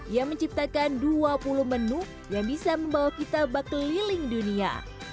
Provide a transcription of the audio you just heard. ia menciptakan dua puluh menu yang bisa membawa kita berkeliling dunia